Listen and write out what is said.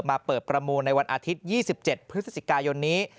มาเปิดประมูลในวันอาทิตย์๒๗พฤศจิกายนนี้